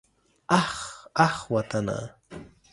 اخ اخ وطنه.